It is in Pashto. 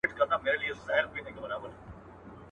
• د انا اوگره ده په څکلو خلاصه سوه.